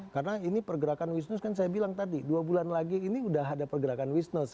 karena ini pergerakan wisnos kan saya bilang tadi dua bulan lagi ini sudah ada pergerakan wisnos